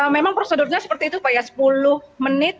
memang prosedurnya seperti itu pak ya sepuluh menit